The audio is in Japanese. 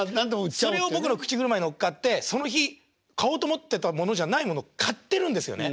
それを僕の口車に乗っかってその日買おうと思ってたものじゃないものを買ってるんですよね。